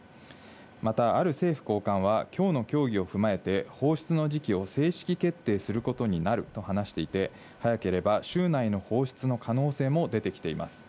またある政府高官はきょうの協議を踏まえて、放出の時期を正式決定することになると話していて、早ければ週内の放出の可能性も出てきています。